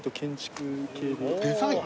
デザイン？